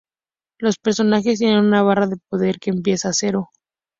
Los personajes tienen una barra de poder que empieza a cero.